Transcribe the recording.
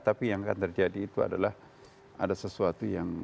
tapi yang akan terjadi itu adalah ada sesuatu yang